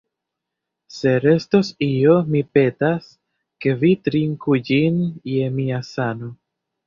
Se restos io, mi petas, ke vi trinku ĝin je mia sano.